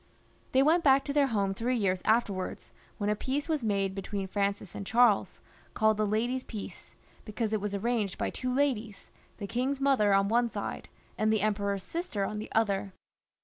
They went back to their home three years afterwards, when a peace was made between Francis and Charles, called the ladies' peace, because it was arranged by two ladies, the king's mother on one side, and the emperor's sister on the other.